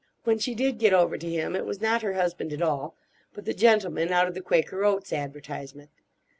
When she did get over to him it was not her husband at all, but the gentleman out of the Quaker Oats advertisement.